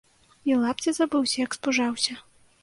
І лапця забыўся, як спужаўся!